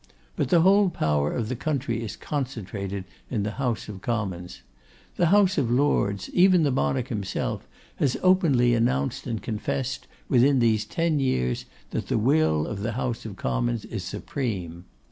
But the whole power of the country is concentrated in the House of Commons. The House of Lords, even the Monarch himself, has openly announced and confessed, within these ten years, that the will of the House of Commons is supreme.